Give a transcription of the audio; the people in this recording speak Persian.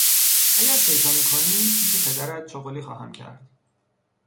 اگر شیطانی کنی پیش پدرت چغلی خواهم کرد.